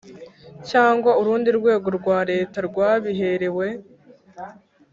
Cyangwa urundi rwego rwa leta rwabiherewe